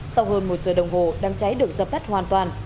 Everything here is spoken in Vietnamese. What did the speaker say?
sau hơn một giờ đồng hồ đám cháy được dập tắt hoàn toàn